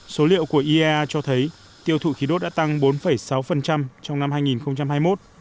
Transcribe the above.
số liệu của iea cho thấy tiêu thụ khí đốt đã tăng bốn sáu trong năm hai nghìn hai mươi một